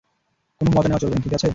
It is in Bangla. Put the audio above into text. কোনো মজা নেওয়া চলবে না, ঠিক আছে?